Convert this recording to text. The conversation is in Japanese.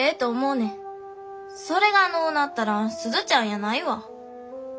それがのうなったら鈴ちゃんやないわ。